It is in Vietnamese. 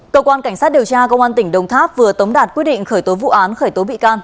cơ quan cảnh sát điều tra công an tỉnh đồng tháp vừa tống đạt quyết định khởi tố vụ án khởi tố bị can